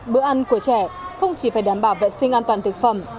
bữa ăn của trẻ không chỉ phải đảm bảo vệ sinh an toàn thực phẩm